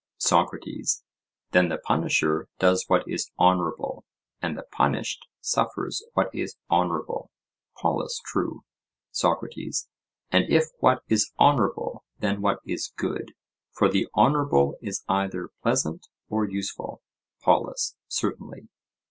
SOCRATES: Then the punisher does what is honourable, and the punished suffers what is honourable? POLUS: True. SOCRATES: And if what is honourable, then what is good, for the honourable is either pleasant or useful? POLUS: Certainly.